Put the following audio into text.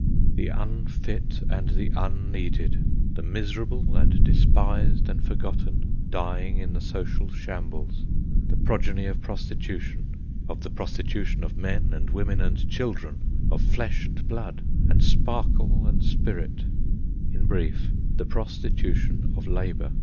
The unfit and the unneeded! The miserable and despised and forgotten, dying in the social shambles. The progeny of prostitution—of the prostitution of men and women and children, of flesh and blood, and sparkle and spirit; in brief, the prostitution of labour.